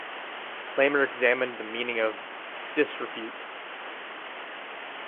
Lamer examined the meaning of "disrepute".